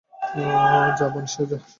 যা বানশি, যা!